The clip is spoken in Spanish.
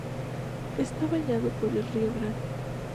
Está bañado por el Rio Grande.